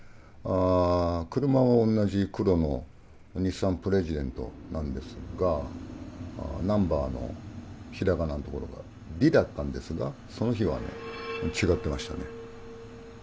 あ車はおんなじ黒の日産プレジデントなんですがナンバーの平仮名のところが「り」だったんですがその日はね違ってましたね。